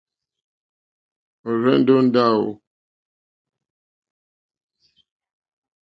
Ɔ̀rzɛ̀ndɛ́ ó ndáwò.